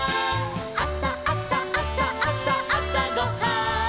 「あさあさあさあさあさごはん」